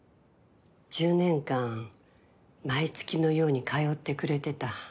１０年間毎月のように通ってくれてた。